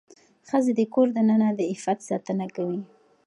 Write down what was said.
ښځه د کور دننه د عفت ساتنه کوي.